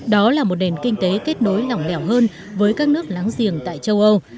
đó là một nền kinh tế kết nối lỏng lẻo hơn với các nước láng giềng tại châu âu